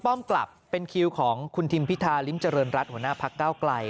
้อมกลับเป็นคิวของคุณทิมพิธาริมเจริญรัฐหัวหน้าพักเก้าไกล